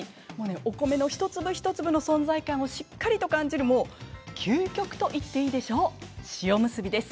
お米の一粒一粒の存在感をしっかりと感じる究極といっていいでしょう塩むすびです。